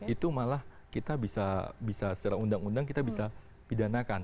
itu malah kita bisa secara undang undang kita bisa pidanakan